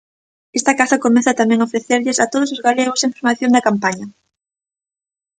Esta casa comeza tamén a ofrecerlles a todos os galegos a información da campaña.